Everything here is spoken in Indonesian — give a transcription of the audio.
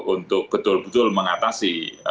untuk betul betul mengatasi